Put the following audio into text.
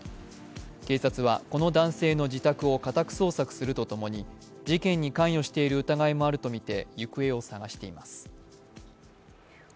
警察は、この男性の自宅を家宅捜索するとともに、事件に関与している疑いもあるとみて行方を捜しています。